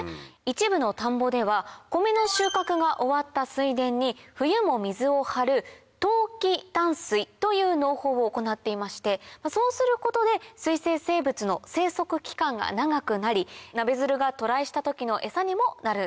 一部の田んぼでは米の収穫が終わった水田に冬も水を張る冬期湛水という農法を行っていましてそうすることで水生生物の生息期間が長くなりナベヅルが渡来した時のエサにもなるんだそうです。